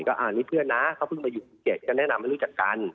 ก็นี่เพื่อนนะเขาเพิ่งมาอยู่ปี๗จะแนะนำให้รู้จักกัน